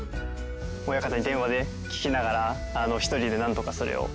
親方に電話で聞きながら一人でなんとかそれを。